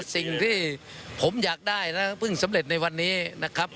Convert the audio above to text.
สิ่งที่ผมอยากได้และเพิ่งสำเร็จในวันนี้นะครับ